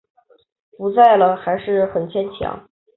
不在了还是很坚强